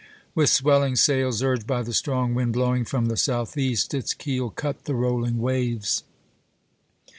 With swelling sails, urged by the strong wind blowing from the southeast, its keel cut the rolling waves.